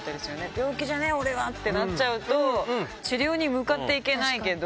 病気じゃねえよ、俺はってなっちゃうと、治療に向かっていけないけど。